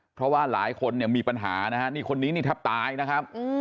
เพราะว่าหลายคนเนี่ยมีปัญหานะฮะนี่คนนี้นี่แทบตายนะครับ